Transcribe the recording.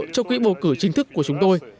cho kỹ bầu cử chính thức của chúng tôi